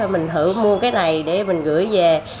mình thử mua cái này để mình gửi về